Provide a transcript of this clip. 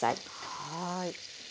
はい。